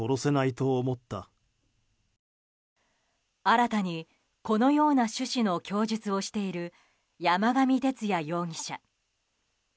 新たに、このような趣旨の供述をしている山上徹也容疑者。